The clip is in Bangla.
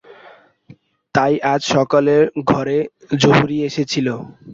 তাই আজ সকালেই ঘরে জহরি এসেছিল।